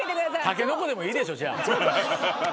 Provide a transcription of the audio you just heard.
たけのこでもいいでしょじゃあ。